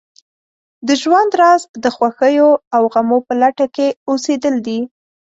د ژوند راز د خوښیو او غمو په لټه کې اوسېدل دي.